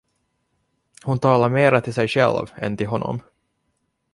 Hon talade mera till sig själv än till honom.